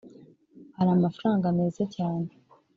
hari amafaranga meza cyane